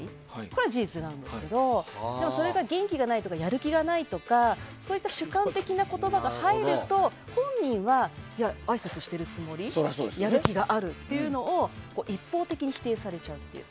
これは事実なんですけどでもそれが元気がないとかやる気がないとかそういった主観的な言葉が入ると本人は、あいさつしてるつもりやる気があるっていうのを一方的に否定されちゃうっていう。